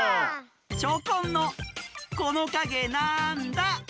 チョコンの「このかげなんだ？」。